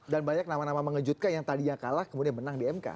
dan banyak nama nama mengejutkan yang tadi yang kalah kemudian menang di mk